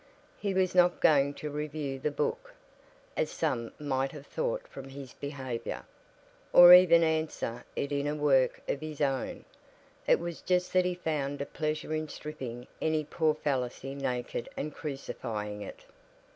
He was not going to review the book (as some might have thought from his behaviour), or even to answer it in a work of his own. It was just that he found a pleasure in stripping any poor fallacy naked and crucifying it.